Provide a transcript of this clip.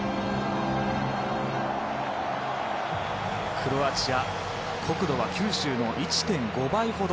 クロアチア、国土は九州の１．５倍ほど。